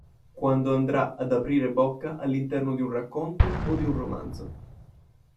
Quando andrà ad aprire bocca all'interno di un racconto o di un romanzo.